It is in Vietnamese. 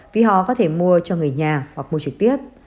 vì họ có thể mua cho người nhà hoặc mua trực tiếp